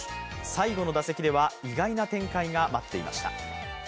最後の打席では、意外な展開が待っていました。